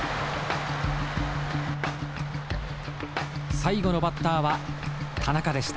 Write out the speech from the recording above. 最後のバッターは田中でした。